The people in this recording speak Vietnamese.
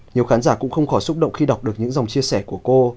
nhiều khán giả cũng không khỏi xúc động khi đọc được những dòng chia sẻ của cô